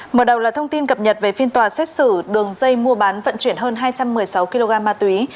mở đầu là thông tin cập nhật về phiên tòa xét xử đường dây mua bán vận chuyển hơn hai trăm một mươi sáu kg ma túy